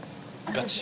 ガチ！